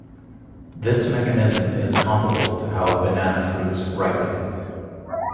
This mechanism is comparable to how banana fruits ripen.